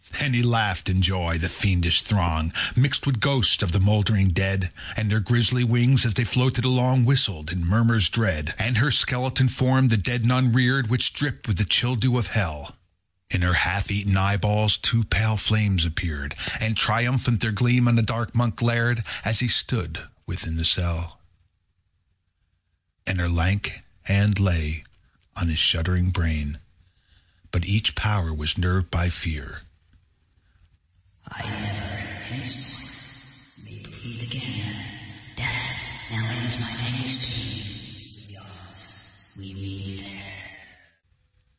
15. And laughed, in joy, the fiendish throng, Mixed with ghosts of the mouldering dead: And their grisly wings, as they floated along, Whistled in murmurs dread. _85 16. And her skeleton form the dead Nun reared Which dripped with the chill dew of hell. In her half eaten eyeballs two pale flames appeared, And triumphant their gleam on the dark Monk glared, As he stood within the cell. _90 17. And her lank hand lay on his shuddering brain; But each power was nerved by fear.